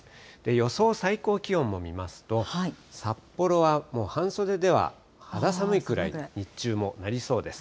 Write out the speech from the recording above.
予想最高気温も見ますと、札幌はもう半袖では肌寒いくらい、日中もなりそうです。